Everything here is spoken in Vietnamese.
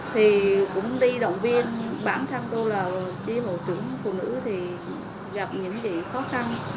thì cũng đi động viên bản thân tôi là đi bộ trưởng phụ nữ thì gặp những cái khó khăn